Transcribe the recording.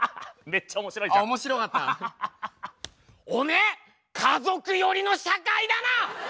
おめえ家族寄りの社会だな！